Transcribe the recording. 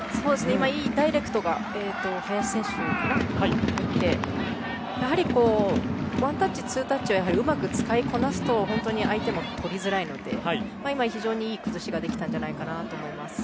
今、ダイレクトが林選手から入ってワンタッチ、ツータッチをうまく使いこなすと本当に相手も跳びづらいので非常にいい崩しができたんじゃないかと思います。